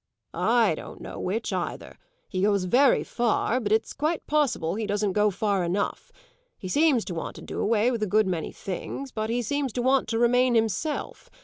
"I don't know which either. He goes very far, but it's quite possible he doesn't go far enough. He seems to want to do away with a good many things, but he seems to want to remain himself.